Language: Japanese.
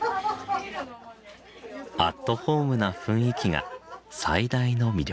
アットホームな雰囲気が最大の魅力。